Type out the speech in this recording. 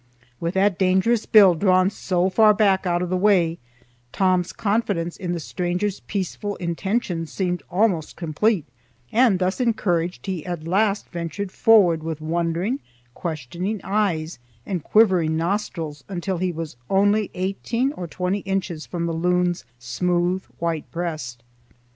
With that dangerous bill drawn so far back out of the way, Tom's confidence in the stranger's peaceful intentions seemed almost complete, and, thus encouraged, he at last ventured forward with wondering, questioning eyes and quivering nostrils until he was only eighteen or twenty inches from the loon's smooth white breast.